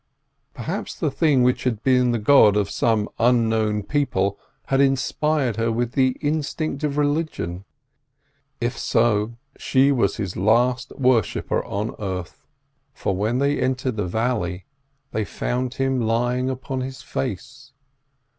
Perhaps the thing which had been the god of some unknown people had inspired her with the instinct of religion; if so, she was his last worshipper on earth, for when they entered the valley they found him lying upon his face.